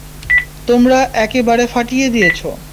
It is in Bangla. তোমরা একেবারে ফাটিয়ে দিয়েছ।